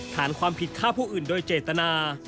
ฐานความผิดฆ่าผู้อื่นโดยเจตนา